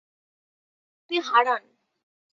তিনি হারান।